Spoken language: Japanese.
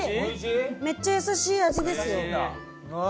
めっちゃ優しい味ですよ。